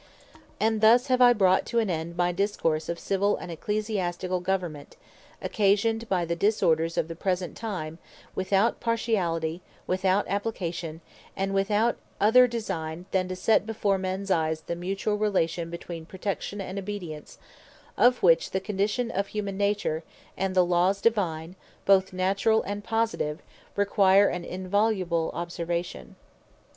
And thus I have brought to an end my Discourse of Civill and Ecclesiasticall Government, occasioned by the disorders of the present time, without partiality, without application, and without other designe, than to set before mens eyes the mutuall Relation between Protection and Obedience; of which the condition of Humane Nature, and the Laws Divine, (both Naturall and Positive) require an inviolable observation.